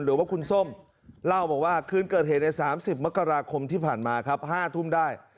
หรือว่าคุณส้มเล่าบอกว่าคืนเกิดเหตุใน๓๐มกราคมที่ผ่านมาครับ๕ทุ่มได้